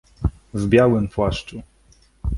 "W białym płaszczu."